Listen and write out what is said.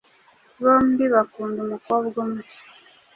Bombi bakunda umukobwa umwe.